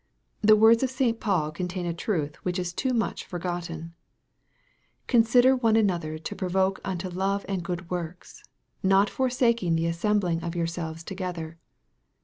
The words of St. Paul contain a truth which is too much forgotten :" Consider one another to provoke unto love and good works ; not forsaking the assembling of yourselves together."